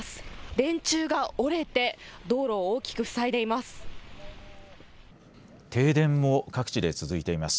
電柱が折れて道路を大きく塞いでいます。